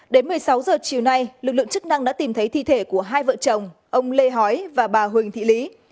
đến một mươi sáu h chiều nay lực lượng chức năng đã tìm thấy thi thể của hai vợ chồng ông lê hói và bà huỳnh thị lý